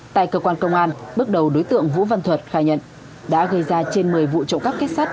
tại cơ quan công an bước đầu đối tượng vũ văn thuật khai nhận đã gây ra trên một mươi vụ trộm cắp kết sắt